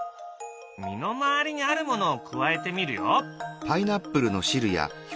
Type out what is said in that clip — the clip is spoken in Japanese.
身の回りにあるものを加えてみるよ。